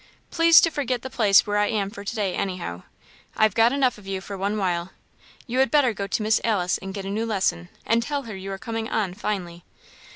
Please to forget the place where I am for to day, anyhow; I've got enough of you for one while. You had better go to Miss Alice and get a new lesson, and tell her you are coming on finely."